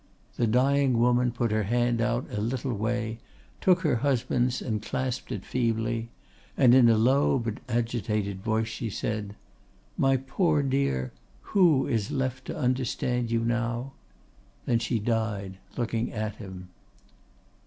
The dying woman put her hand out a little way, took her husband's and clasped it feebly; and in a low but agitated voice she said, 'My poor dear, who is left to understand you now?' Then she died, looking at him."